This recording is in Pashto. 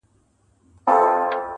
ډېر پخوا په ډېرو لیري زمانو کي.!